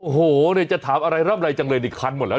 โอ้โหจะถามอะไรร่ำไรจังเลยนี่